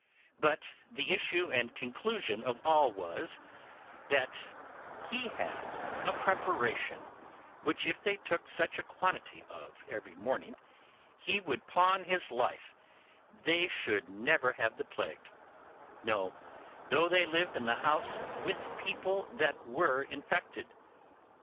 But the issue and conclusion of all was, that he had a preparation which if they took such a quantity of every morning, he would pawn his life they should never have the plague; no, though they lived in the house with people that were infected.